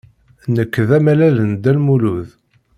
Nekk d amalal n Dda Lmulud.